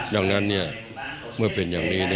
ดังนั้นเมื่อเป็นอย่างนี้